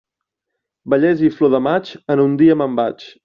Bellesa i flor de maig, en un dia me'n vaig.